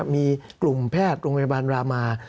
มีกลุ่มแพทย์โรงพยาบาลรามา